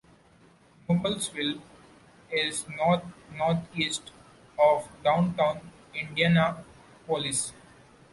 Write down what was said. Noblesville is north-northeast of downtown Indianapolis.